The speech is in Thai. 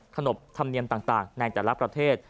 ขนบธรรมเนียมต่างในแต่ละประเทศ